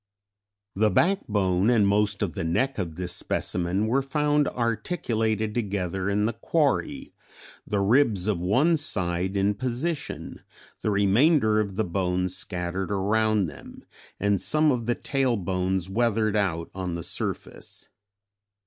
The backbone and most of the neck of this specimen were found articulated together in the quarry, the ribs of one side in position, the remainder of the bones scattered around them, and some of the tail bones weathered out on the surface.